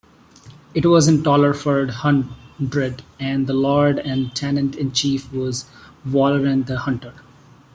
It was in Tollerford Hundred and the lord and tenant-in-chief was Waleran the hunter.